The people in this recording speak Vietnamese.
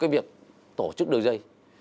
việc tổ chức đường dây